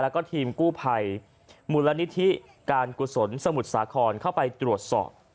แล้วก็ทีมกู้ภัยมูลนิธิการกุศลสมุทรสาครเข้าไปตรวจสอบ